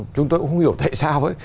chúng tôi cũng không hiểu tại sao